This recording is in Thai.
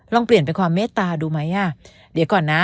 ลองเปลี่ยนเป็นความเมตตาดูไหมอ่ะเดี๋ยวก่อนนะ